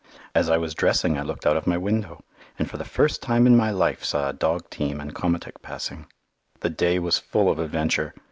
As I was dressing I looked out of my window, and for the first time in my life saw a dog team and komatik passing. The day was full of adventure.